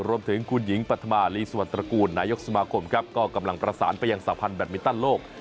รวมถึงคุณหญิงปัธมาลีสวรรตระกูลนายกสมาคมครับก็กำลังประสานไปยังสาพันธ์แดดมินตันโลก